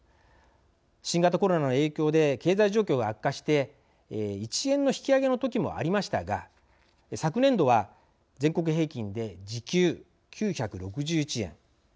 新型コロナの影響で経済状況が悪化して１円の引き上げの時もありましたが昨年度は全国平均で時給９６１円。